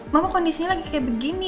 mak kok kondisinya lagi kayak begini